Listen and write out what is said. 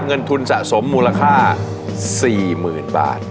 เงินทุนสะสมมูลค่า๔๐๐๐บาท